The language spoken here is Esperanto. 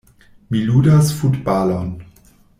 Mi ludas futbalon.